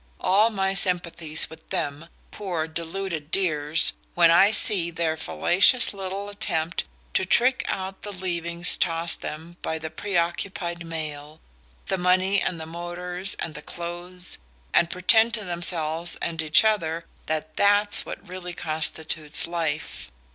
All my sympathy's with them, poor deluded dears, when I see their fallacious little attempt to trick out the leavings tossed them by the preoccupied male the money and the motors and the clothes and pretend to themselves and each other that THAT'S what really constitutes life!